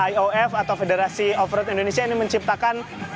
i o f atau federasi offroad indonesia ini menciptakan